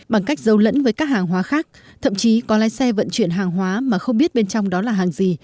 bằng cách giấu lẫn với các hàng hóa khác thậm chí có lái xe vận chuyển hàng hóa mà không biết bên trong đó là hàng gì